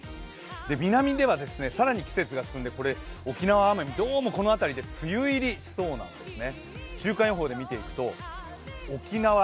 南では更に季節が進んで、沖縄の雨、どうもこの辺りで梅雨入りしそうなんですね。